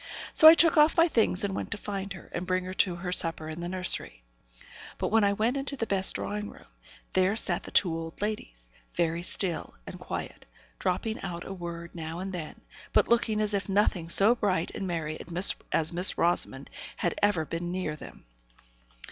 So I took off my things and went to find her, and bring her to her supper in the nursery. But when I went into the best drawing room, there sat the two old ladies, very still and quiet, dropping out a word now and then, but looking as if nothing so bright and merry as Miss Rosamond had ever been near them.